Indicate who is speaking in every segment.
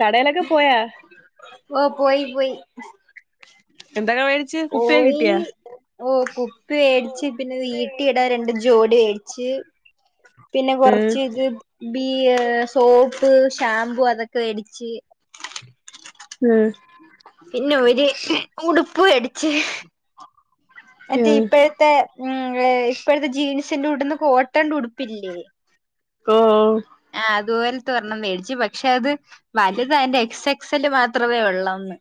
Speaker 1: കടയിലൊക്കെ പോയാ
Speaker 2: ഓ പോയി പോയി
Speaker 1: എന്തൊക്കെ മേടിച്ച് കുപ്പിയൊക്കെ
Speaker 2: ഓയി
Speaker 1: കിട്ടിയാ
Speaker 2: ഓ കുപ്പി വേടിച്ച് പിന്നെ വീട്ടി ഇടാൻ രണ്ട് ജോടി വേടിച്ച് പിന്നെ
Speaker 1: ഉം
Speaker 2: കൊറച്ച് ഇത് ബി സോപ്പ് ഷാംമ്പൂ അതൊക്കെ വേടിച്ച്
Speaker 1: ഉം
Speaker 2: പിന്നെ ഒരു ഉടുപ്പ് വേടിച്ച് മറ്റേ
Speaker 1: ഉം
Speaker 2: ഇപ്പോഴത്തെ ഇപ്പോഴത്തെ ജീൻസിന്റുടുന്ന കോട്ടന്റെ ഉടുപ്പില്ലേ
Speaker 1: കോ
Speaker 2: ആഹ് അതുപോലെത്തെരെണം മേടിച്ചു പക്ഷെ അത് വലുത അതിന്റെ എക്സ എക്സല്ല് മാത്രമേ ഉള്ളന്ന്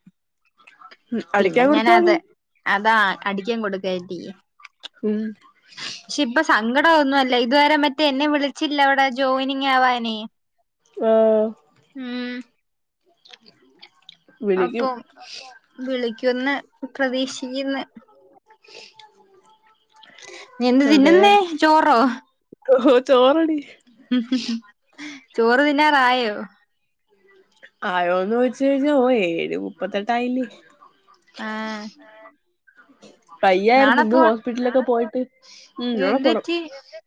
Speaker 2: പിന്നെ
Speaker 1: അടിക്കാൻ
Speaker 2: ഞാൻ
Speaker 1: കൊടുത്താ
Speaker 2: അത
Speaker 1: മതി
Speaker 2: അതാ അടിക്കാൻ കൊടുക്കായിട്ടീ
Speaker 1: ഉം
Speaker 2: പക്ഷെ ഇപ്പ സങ്കടം അതൊന്നുമല്ല ഇതുവരെ മറ്റേ എന്നെ വിളിച്ചില്ല അവിടെ ജോയിനിങ് ആവാനേ
Speaker 1: ഓഹ്
Speaker 2: ഉം
Speaker 1: [inaudible]
Speaker 2: അപ്പം വിളിക്കുവെന്ന് പ്രതീക്ഷിക്ക്ന്ന്
Speaker 1: [inaudible]
Speaker 2: നീ എന്ത് തിന്ന്ന്നെ ചോറോ?
Speaker 1: ഓഹോ ചോറാടി
Speaker 2: ചോറ് തിന്നാറായോ?
Speaker 1: ആയോന്ന് ചോദിച്ച് കഴിഞ്ഞ ഓ ഏഴ് മുപ്പത്തെട്ടായില്ലേ
Speaker 2: ആഹ്
Speaker 1: വയ്യായിരുന്നു
Speaker 2: നാളെ
Speaker 1: ഇന്ന്
Speaker 2: പോവാ
Speaker 1: ഹോസ്പിറ്റലിലൊക്കെ പോയിട്ട് ഉം നളെ
Speaker 2: എന്ത്
Speaker 1: പോണം പി.
Speaker 2: പറ്റി
Speaker 1: എ. എസി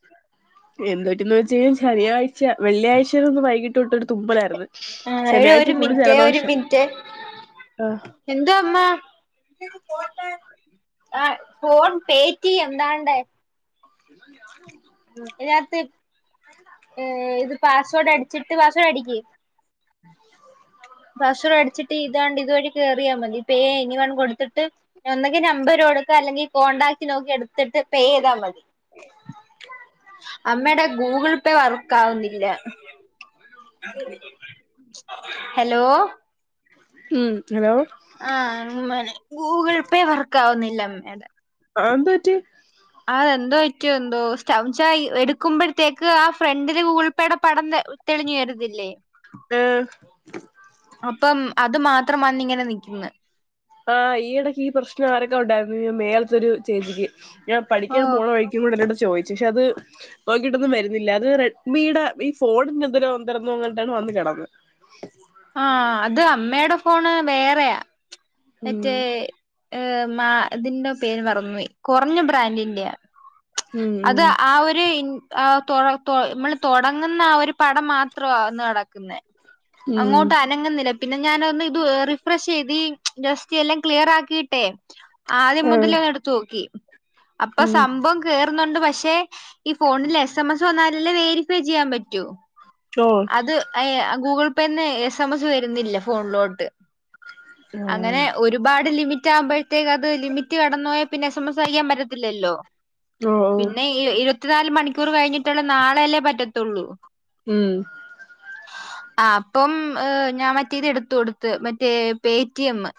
Speaker 1: എന്തായിട്ടെന്ന് ചോദിച്ച് കഴിഞ ശനിയായ്ഴ്ച വെള്ളാഴ്ചയിടന്ന് വൈകിട്ട്ട്ടടുത്ത മ്പളായിരുന്നു
Speaker 2: ആഹ് എടി
Speaker 1: ശനിയാഴ്ച
Speaker 2: ഒരു
Speaker 1: ഫുള്ള്
Speaker 2: മിനിറ്റേ
Speaker 1: ജലദോഷം ആഹ്
Speaker 2: എന്താ അമ്മ ആ ഫോൺ പേറ്റം എന്താണ്ട
Speaker 1: [inaudible]
Speaker 2: അതിനകത്ത് ഏ ഇത് പാസ്വേഡ് അടിച്ചിട്ടത്ത് പാസ്വേഡ് അടിക്ക
Speaker 1: ഉ [unintelligible]
Speaker 2: പസുര അടിച്ചിട്ട് ഇതണ്ട് ഇതുവഴി ക കേയറിയാൽ മതി പേ ഇനി വേണം കൊടുത്തിട്ട് ഒന്നങ്കി നമ്പർ കൊടുക്ക അല്ലെങ്കിൽ കോണ്ടാക്ട് നോക്കി എടുത്തിട്ട് പേ ചെയ്താ മതി അമ്മയുടെ ഗൂഗിൾ പേ വർക്കാവുന്നില്ല [inaudible]
Speaker 1: ഉം ഹലോ
Speaker 2: ആ മനെ ഗൂഗിൾ പേ വർക്കാവുന്നില്ല അമ്മേടെ
Speaker 1: ആഹ് എന്ത്‌ പറ്റി?
Speaker 2: അതെന്തോ പറ്റി എന്തോ സ്റ്റം എടുക്കുമ്പഴത്തേക്ക് ആ ഫ്രണ്ടില് ഗൂഗിൾ പേയുടെ പടം തെളിഞ്ഞു വെരത്തില്ലേ
Speaker 1: ആഹ്
Speaker 2: അപ്പം അത് മാത്രം വന്നിങ്ങനെ നിക്ക്ന്ന്
Speaker 1: ആഹ് ഈ ഇടയ്ക്ക് ഈ പ്രശ്നം ആരൊക്കെ ഒണ്ടായിരുന്നു മേലത്തെ ഒരു ചേച്ചിക്ക് ഞാൻ
Speaker 2: ഓ
Speaker 1: പഠിക്കാൻ പോകണ വഴി ക്ക് കൂടെ ഇന്റട്ത്ത് ചോദിച്ചു പക്ഷെ അത് നോക്കിയിട്ടൊന്നും വരുന്നില്ല അത് റെഡ്മിയുടെ ഈ ഫോണിന് എന്തരോ എന്തരന്നോ എങ്ങാണ്ടാണ് വന്ന് കിടന്നന്ന്
Speaker 2: ആഹ് അത് അമ്മയുടെ ഫോണ് വേറെയാ മറ്റേ
Speaker 1: ഉം
Speaker 2: മാ ഇതിന്റെ പേര് മറന്നു പോയി കൊറഞ്ഞ ബ്രാൻഡിന്റെയ അത്
Speaker 1: ഉം
Speaker 2: ആ ഒരു എഹ് തൊ തൊ നമ്മള് തൊടങ്ങുന്ന ആ ഒരു പടം മാത്രമാ വന്ന് കെടക്കുന്നേ
Speaker 1: ഉം
Speaker 2: അങ്ങോട്ട് അനങ്ങുന്നില്ല പിന്നെ ഞാന ഒന്ന് ഇത് റിഫ്രഷ് ചെയ്തി ജസ്റ്റ് എല്ലാം ക്ലിയറാക്കിയിട്ടെ ആദ്യം
Speaker 1: ഉം ആഹ്
Speaker 2: മുതലേ ഒന്ന് എടുത്തു നോക്കി അപ്പൊ
Speaker 1: ഉം
Speaker 2: സംഭവം കേറുന്നുണ്ട് പക്ഷെ ഈ ഫോണില് എസ് എം എസ് വന്നാ അല്ലേ വേരിഫൈ ചെയ്യാൻ പറ്റോ?
Speaker 1: ഓഹോ
Speaker 2: അത് അയി ഗൂഗിൾ പേന്ന് എസ് എം എസ് വരുന്നില്ല ഫോണിലോട്ട് അങ്ങനെ
Speaker 1: ആഹ്
Speaker 2: ഒരുപാട് ലിമിറ്റ് ആകുമ്പഴത്തേക്ക് അത് ലിമിറ്റ് കടന്ന് പോയാ പിന്നെ എസ് എം എസ് അയക്കാൻ പറ്റത്തില്ലല്ലോ
Speaker 1: ഓ ഓ
Speaker 2: പിന്നെ ഇരുപത്തിനാല് മണിക്കൂർ കഴിഞ്ഞിട്ടല്ലെ നാളെയല്ലേ പറ്റത്തൊള്ളൂ
Speaker 1: ഉം
Speaker 2: ആഹ് അപ്പം ഞാൻ മറ്റേ ഇത് എടുത്തു കൊടുത്ത് മറ്റേ പേ ടി എമ്മ്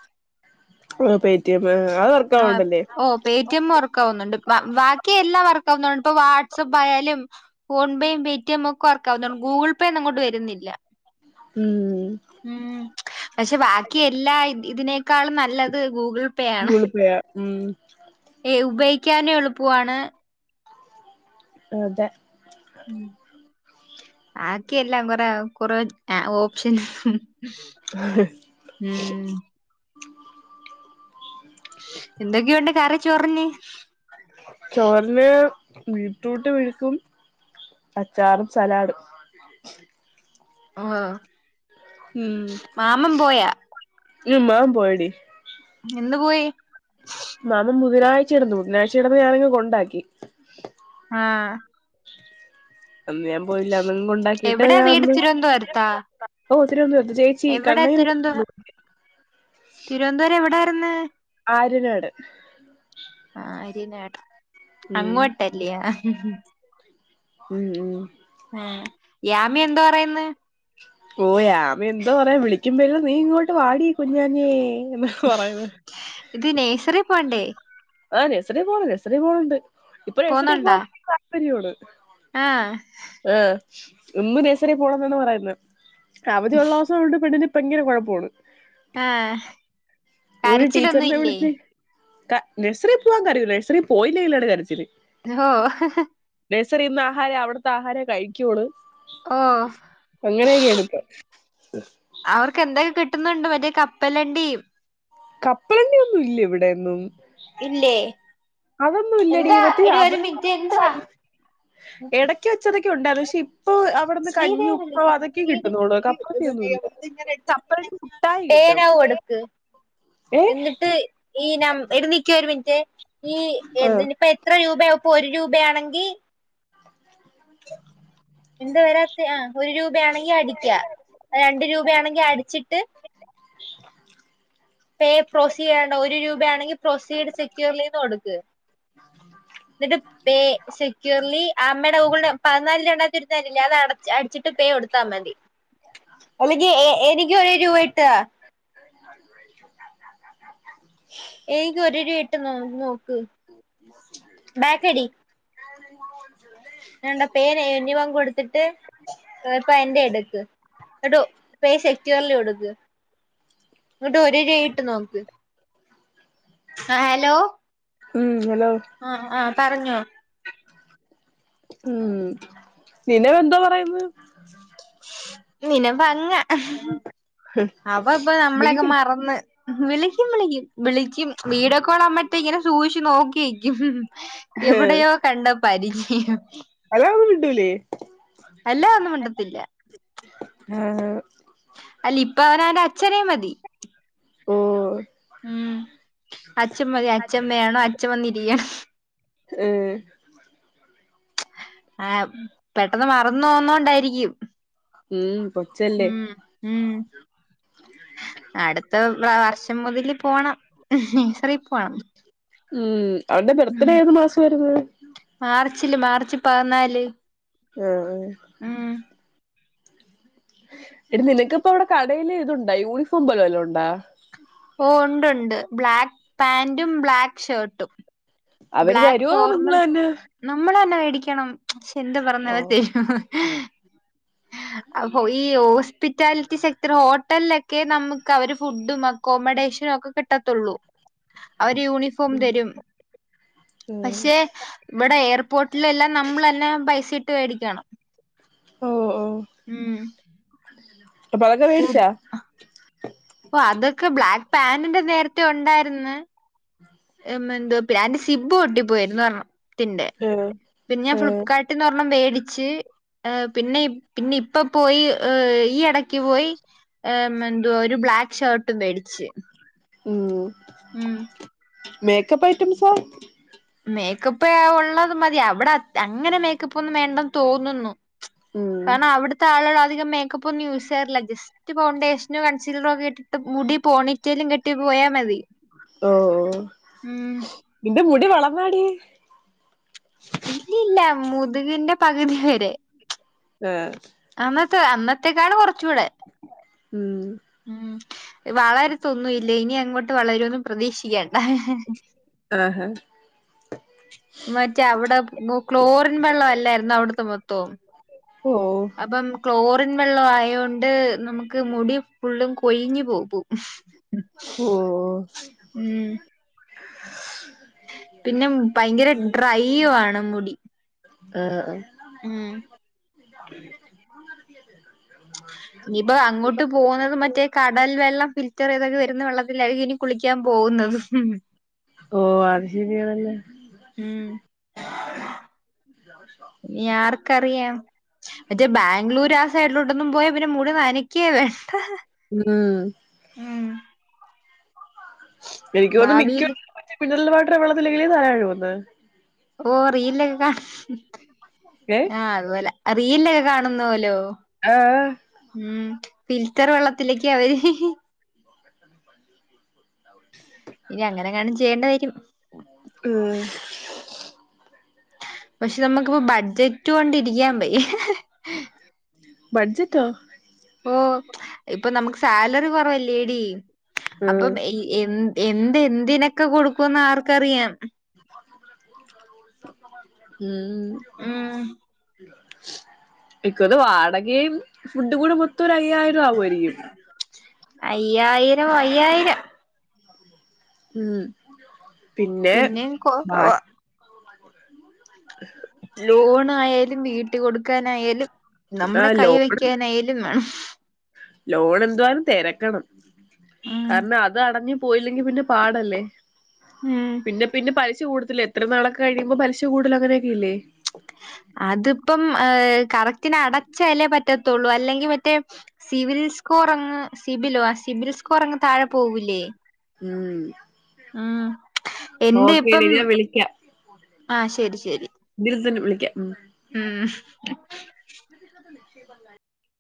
Speaker 1: പേടിഎം അത
Speaker 2: ആഹ ഓ പേടിഎം വർക്ക്അവുന്നുണ്ട് ബാക്കി എല്ലാം വർക്ക്അവുന്നുണ്ട് ഇപ്പൊ വാട്സ്ആപ്പ് ആയാലും ഫോൺ പേയും പേടിഎും ഒക്കെ വർക്കാവുന്നണ്ട് ഗൂഗിൾ പേ ഒന്നുംങ്ങോണ്ട് വരുന്നില്ല
Speaker 1: ഉം
Speaker 2: ഉ പക്ഷെ ബാക്കി എല്ലാ ഇതിനേക്കാൾ നല്ലത് ഗൂഗിൾ പേ ആണ്
Speaker 1: ഗൂഗിൾ പേ ആഹ ഉം
Speaker 2: ഏ ഐ ഉപയോഗിക്കാനേ എളുപ്പാണ്.
Speaker 1: അതെ
Speaker 2: ബാക്കിയ എല്ലാം കൊറ കൊറ ഓപ്ഷൻ ഉംഹ് എന്തൊക്കെ ഉണ്ട് കറി ചോറിന്
Speaker 1: ചോറിന് ബിട്രൂട്ട് മെഴുക്കും അച്ചാറും സലാഡും ആഹ്
Speaker 2: ആഹ്
Speaker 1: ഉം മ് അവൻ പോയെടി
Speaker 2: എന്ന് പോയി
Speaker 1: മാമൻ ബുധാഴ്ച ഇടന്ന് ബുധനാഴ്ച ഇടന്ന് ഞാനിങ് കൊണ്ടാക്കി
Speaker 2: ആഹ്
Speaker 1: അന്ന് ഞാൻ പോയില്ല അന്ന് ഉണ്ടാക്കിട്ട്
Speaker 2: എവിടാ
Speaker 1: ഞാൻ
Speaker 2: വീട്
Speaker 1: അന്ന്
Speaker 2: തിരുവനന്തപുരത്താ
Speaker 1: ഓ ഒത്തിരി ഒന്ന് ചീ
Speaker 2: എവിടെ തിരുവനന്ത
Speaker 1: [unintelligible]
Speaker 2: തിരുവനന്തപുരം എവിടെയാരിന്ന്
Speaker 1: ആര്യനാട്
Speaker 2: ആഹ ആര്യനാട്
Speaker 1: ഉം
Speaker 2: അങ്ങോട്ടല്ലയാ
Speaker 1: മ് മ്മ്
Speaker 2: ആഹ യാമി എന്തോ പറയന്ന്
Speaker 1: ഓ യാമി എന്തോ പറയാൻ വിളിക്കുമ്പോല്ല നീ ഇങ്ങോട്ട് വാടി കുഞ്ഞാനേ എന്ന പറയന്ന്
Speaker 2: ഇത് നേഴ്സറി പോവണ്ടേ
Speaker 1: ആഹ് നഴ്സറി പോണ് നഴ്സറി പോണണ്ട് ഇപ്പൊ നഴ്സറി പോകാൻ വലിയ താല്പര്യമാണ്
Speaker 2: ആഹ
Speaker 1: ആഹ ഒന്ന് നേഴ്സറി പോണംന്നാണ് പറയുന്ന അവധിയുള്ള അവളുടെ പെണ്ണിന് ഭയങ്കര കുഴപ്പമാണ്
Speaker 2: ആഹ്
Speaker 1: മടെ
Speaker 2: കരച്ചിലൊന്നും
Speaker 1: ടീച്ചർന്റെ
Speaker 2: ഇല്ലേ
Speaker 1: അവിടെതെ നഴ്സറിൽ പോകവാൻ കരയില്ല നഴ്സറി പോയിലെ ആണ് കരച്ചിൽ
Speaker 2: ഓഹ്
Speaker 1: നേഴ്സറി നിന്ന് ആഹാരം അവിടുത്തെ ആഹാരേ കഴിക്കോളൂ
Speaker 2: ഓ
Speaker 1: അങ്ങനെയൊക്കെയാണ് ഇപ്പ
Speaker 2: അവർക്ക് എന്തൊക്കെ കിട്ടുന്നുണ്ട് മറ്റേ കപ്പലണ്ടി
Speaker 1: കപ്പലണ്ടി ഒന്നും ഇല്ല ഇവിടെൊന്നും
Speaker 2: ഇല്ലേ
Speaker 1: അതൊന്നുമില്ലെടി
Speaker 2: എന്താ
Speaker 1: മറ്റേ [inaudible]
Speaker 2: എടി ഒരു മിനിറ്റ് എന്തുവാ
Speaker 1: ഇടക്ക് വെച്ചതൊക്കെ ഉണ്ടായിരുന്നു പക്ഷെ ഇപ്പൊ അവിടുന്ന് കഞ്ഞി
Speaker 2: ശ്രീദേവി
Speaker 1: ഉപ്പമാവ്
Speaker 2: വിളിക്കുന്നു
Speaker 1: അതൊക്കെ കിട്ടുന്നുള്ളൂ കപ്പലണ്ടിന്നുംല്ല
Speaker 2: ശ്രീദേവി
Speaker 1: കപ്പലണ്ടി മുട്ടായി കിട്ടും
Speaker 2: പേനാവ് കൊടക്ക്
Speaker 1: ഏ
Speaker 2: എന്നിട്ട് ഈ ന എടി നിക്കേ ഒരു മിനിറ്റ് ഈ
Speaker 1: ആ
Speaker 2: ഇതിനിപ്പോ എത്ര രൂപയാ ഇപ്പൊ ഒരു രൂപയാണെങ്കിൽ എന്ത വരാ ആ ഒരു രൂപയാണെങ്കി അടിക്ക രണ്ട് രൂപയാണെങ്കിൽ അടിച്ചിട്ട് പേ പ്രോസീ ചെയ്യേണ്ട ഒരു രൂപയാണെങ്കിൽ പ്രൊസീഡ് സെക്യൂർലി നിന്ന് കൊടുക്കുക എന്നിട്ട് പേ സെക്യൂർലി ആ അമ്മയുടെ ഗൂഗളുടെ പതിനാല് രണ്ടായിരത്തി ഒരുരുരംല്ല അത്ട അടിച്ചി് പേ കൊടുത്താൽ മതി അല്ലെങ്കി എനിക്ക് ഒരു രൂപ ഇട്ടതാ
Speaker 1: [inaudible]
Speaker 2: ഏനിക്ക് ഒരുരു പ ഇട്ട് നോ നോക്ക് ബാക്കടി
Speaker 1: [unintelligible]
Speaker 2: ഞാണ്ടേ പേര് എഴുതിവാൻ കൊടുത്തിട്ട് ഇപ്പൊ എന്റെ എടുക്ക് എടോ പേ ഷെട്യൂവറില് കൊടുക്ക് എന്നിട്ട് ഒരു രൂപ ഇട്ട് നോക്ക് ആഹ് ഹലോ
Speaker 1: ഉം ഹലോ
Speaker 2: ആഹ് ആഹ് പറഞ്ഞോ
Speaker 1: ഉം നിനവെന്തോ പറയ്ന്ന്
Speaker 2: നിനമ്പങ്ങാ അവ ഇപ്പൊ നമ്മളൊക്കെ
Speaker 1: വിളിക്കണം
Speaker 2: മറന്ന് വിളിക്കും വിളിക്കും വിളിക്കും വീഡിയോ കോളാവുമ്പത്തേ ഇങ്ങനെ സൂക്ഷിച്ച് നോക്കി നിക്കും എവിടെയോ കണ്ട പരിചയം
Speaker 1: ഹലോന്നും മിണ്ടൂലേ
Speaker 2: ഹലോ ഒന്നും മിണ്ടത്തില്ല
Speaker 1: ആഹ് ഹ്
Speaker 2: അല്ല ഇപ്പ അവനവന്റെ അച്ഛനെ മതി
Speaker 1: ഓഹ്
Speaker 2: ഉം അച്ഛൻമതി അച്ഛമ്മയാണോ അച്ഛൻ വന്നിരിക്കണം
Speaker 1: ഉം
Speaker 2: ആഹ് പെട്ടെന്ന് മറന്ന് പോവുന്ന കൊണ്ടായിരിക്കും
Speaker 1: ഉം കൊച്ചല്ലേ
Speaker 2: ഉം ഉം അടുത്ത വ വർഷം മുതല് പോണം നേഴ്സറി പോണം
Speaker 1: ഉം അവന്റെ ബെർത്ത്ഡേ
Speaker 2: ഉം
Speaker 1: ഏത് മാസം വരുന്നത്
Speaker 2: മാർച്ചില് മാർച്ച് പതിനാല്
Speaker 1: ആഹ് ആഹ്
Speaker 2: ഉം
Speaker 1: എടി നിനക്കിപ്പം അവിടെ കടേല് ഇതുണ്ടോ യൂണിഫോം പോലെ വല്ലോ ഒണ്ടാ
Speaker 2: ഓ ഒണ്ട്ണ്ട് ബ്ലാക്ക് പാന്റും ബ്ലാക്ക് ഷർട്ടും
Speaker 1: അവര്
Speaker 2: ബ്ലാക്ക്
Speaker 1: തരുവോ
Speaker 2: ഫോർമൽ
Speaker 1: നിങ്ങള് തന്നെ
Speaker 2: നമ്മളന്നെ മേടിക്കണം ഷെന്റ്
Speaker 1: ഓ
Speaker 2: പറഞ്ഞവരത്തെ അപ്പോ ഈ ഓസ് പിറ്റാലിറ്റി സെക്ടർ ഹോട്ടലിലൊക്കെ നമുക്ക് അവര് ഫുഡും അക്കോമഡേഷനും ഒക്കെ കിട്ടത്തുള്ളൂ അവര് യൂണിഫോം തരും
Speaker 1: ഉം.
Speaker 2: പക്ഷെ ഇവിടെ ഏർ പോട്ടിലെല്ലാം നമ്മള് തന്നെ പൈസ ഇട്ട് വേടിക്കണം
Speaker 1: ഓഹ് ഓഹ്
Speaker 2: ഉം
Speaker 1: കൊള്ളിലല്ലോ
Speaker 2: പോ ഓഹ് അതൊക്കെ ബ്ലാക്ക് പാന്റിന്റെ നേരത്തെ ഉണ്ടാര്ന്ന് എമ്മെന്തൊ പാന്റ് സിബ്ബ് പൊട്ടിപ്പോയിരുന്നു പർഞ്ഞു ത്തിന്റെ
Speaker 1: ഏ
Speaker 2: പിന്നെ ഞാൻ ഫ്ലിപ്പ് കാർട്ട്ന്ന് ഒര്ണ്ണം വെടിച്ച് പിന്നെ ഇ പിന്നെ ഇപ്പ പോയി ഈ എടക്ക് പോയി എന്തുവാ ഒരു ബ്ലാക്ക് ഷർട്ടും വെടിച്ച്
Speaker 1: ഉം
Speaker 2: ഉം
Speaker 1: മേക്കപ്പ് ഐറ്റംസോ
Speaker 2: മേക്കപ്പ് ഒള്ളത് മതി അവടെ അ അങ്ങനെ മേക്കപ്പ് ഒന്നും വേണ്ടെന്ന് തോന്നുന്നു
Speaker 1: ഉം.
Speaker 2: കാരണം അവട്ത്തെ ആള്കള് അധികം മേക്കപ്പ് ഒന്നും യൂസ് ചെയ്യാറില്ല ജസ് റ്റ് ഫൗണ്ടേഷ്നും കൺസീലറും ഒക്ക ഇട്ടിട്ട് മുടി പോണിറ്റയിലും കെട്ടി പോയാ മതി
Speaker 1: ഓ
Speaker 2: ഉം
Speaker 1: നിന്റെ മുടി വളർന്നാടി
Speaker 2: ഇല്ലില്ല മുതുകിന്റെ പകുതി വരെ
Speaker 1: ആ
Speaker 2: അന്നത്തെ അന്നത്തേക്കാളും കൊർച്ചൂടെ
Speaker 1: ഉം
Speaker 2: ഉം വളര്ത്തൊന്നു ഇല്ല ഇനിയങ്ങോട്ട് വളരൊന്നും പ്രതീക്ഷിക്കണ്ട
Speaker 1: ആ ഹാ
Speaker 2: മറ്റേ അവടെ ഗോ ക്ലോറിൻ വെള്ള അല്ലായിരുന്നോ അവ്ട്ത്തെ മൊത്തവും
Speaker 1: ഓ
Speaker 2: അപ്പം ക്ലോറിൻ വെള്ളം ആയോണ്ട് നമുക്ക് മുടി ഫുള്ളും കൊയിഞ് പോകും ഉം
Speaker 1: ഉം
Speaker 2: ഉം പിന്നെ ഭയങ്കര ഡ്രൈയ്യു ആണ് മുടി
Speaker 1: ആ ആ
Speaker 2: ഉം ഇനിപ്പോ അങ്ങോട്ട് പോവുന്നത് മറ്റേ കടൽ വെള്ളം ഫിൽറ്ററ് ചെയ്തൊക്കെ വരുന്ന വെള്ളത്തിലായിരിക്കും ഇനി കുളിക്ക്യാം പോവുന്നത്
Speaker 1: ഓ അത് ശരിയാണല്ലേ
Speaker 2: ഉം ഇനി ആർക്കറിയാം മറ്റേ ബാംഗ്ലൂര് ആ സൈഡിലോട്ടൊന്നും പോയാ പിന്നെ മുടി നനക്യെ വേണ്ട
Speaker 1: ഉം
Speaker 2: ഉം
Speaker 1: എനിക്ക് തോന്നുന്നു മിക്ക്യ
Speaker 2: ഭാവിയില്
Speaker 1: മിനറൽ വാട്ടർ വെള്ളത്തിലല്ലേ തല കഴുകുന്ന
Speaker 2: ഓ റീൽലോക്കെ കാ
Speaker 1: ഏ
Speaker 2: ആ അതുപോലെ റിൽലൊക്ക കാണുന്നോലോ
Speaker 1: ആ
Speaker 2: ഉം ഫിൽറ്റർ വെള്ളത്തിലേക്ക് അവര്
Speaker 1: [inaudible] [inaudible]
Speaker 2: ഇനി അങ്ങന എങ്ങാനും ചെയ്യേണ്ട വരോ
Speaker 1: ഉം
Speaker 2: പക്ഷെ നമ്മക്ക്പ്പോ ബഡ്ജറ്റ് കൊണ്ടിരിക്ക്യാം വയ്യ
Speaker 1: ബഡ്ജറ്റോ
Speaker 2: ഓഹ്. ഇപ്പം നമ്മക്ക് സാലറി കൊറവല്ലേടി.
Speaker 1: ഉം.
Speaker 2: അപ്പം എയ് എൻ എന്ത് എന്തിനൊക്കെ കൊടുക്കു ന്നാർക്കറിയാം.
Speaker 1: ഉം
Speaker 2: ഉം
Speaker 1: ഇക്കോന്ന് വാടകയും ഫുഡും കൂടെ മൊത്തം ഒര് അയ്യായിരം ആവൊയിരിക്കും.
Speaker 2: അയ്യായിരം, അയ്യായിര
Speaker 1: ഉം. പിന്നെ
Speaker 2: പിന്നേം
Speaker 1: ബാ....
Speaker 2: കൊറവാ
Speaker 1: [inaudible]
Speaker 2: ലോണയാലും, വീട്ടി കൊട്ക്കാനായാലും,
Speaker 1: ആ
Speaker 2: നമ്മടെ കയ്യീ വെക്കാനായാലും വേണം.
Speaker 1: ലോണ് എന്തുവാന്ന് തെരക്കണം.
Speaker 2: ഉം
Speaker 1: കാരണം അത് അടഞ്ഞ് പോയില്ലെങ്കി പിന്നെ പാടല്ലെ.
Speaker 2: ഉം
Speaker 1: പിന്നെ പിന്നെ പലിശ കൂട്തലാ ത്തിലും നാളൊക്കെ കഴിയുമ്പൊ പലിശ കൂട് ലൊ അങ്ങനൊക്കെയില്ലെ.
Speaker 2: അത്പ്പം ഏഹ് കറക്റ്റിന് അടച്ചല്ലെ പറ്റത്തുള്ളു. അല്ലെങ്കി മറ്റെ.... സിവിൽ സ്കോറങ്ങ് സിബിലൊ ആഹ് സിബിൽ സ്കോറങ്ങ് താഴെ പോവൂല്ലേ.
Speaker 1: ഉം
Speaker 2: ഉം. ഇണ്ട് പ്പം
Speaker 1: ഓക്കേടി ഞാൻ വിളിക്കാം
Speaker 2: ആഹ് ശരി, ശരി.
Speaker 1: [unintelligible] വിളിക്കാം. ഉം
Speaker 2: ഉം
Speaker 1: ഇന്നത്തെ നിക്ഷേപങ്ങൾ